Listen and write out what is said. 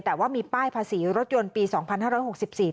แต่ว่ามีป้ายภาษีรถยนต์ปีสองพันห้าร้อยหกสิบสี่